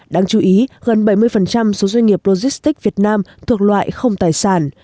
đáng chú ý gần bảy mươi số doanh nghiệp logistics việt nam thuộc loại không tài sản